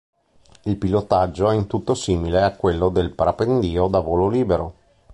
Il pilotaggio è in tutto simile a quello del parapendio da volo libero.